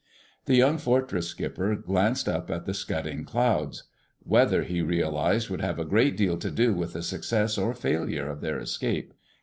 The young Fortress skipper glanced up at the scudding clouds. Weather, he realized, would have a great deal to do with the success or failure of their escape.